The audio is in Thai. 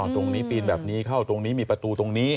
ตรงนี้ปีนแบบนี้เข้าตรงนี้มีประตูตรงนี้